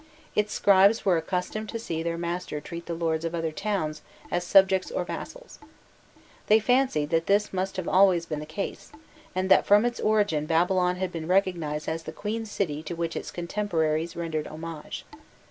Its scribes were accustomed to see their master treat the lords of other towns as subjects or vassals. They fancied that this must have always been the case, and that from its origin Babylon had been recognized as the queen city to which its contemporaries rendered homage.